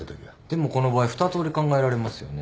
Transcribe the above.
でもこの場合２通り考えられますよね。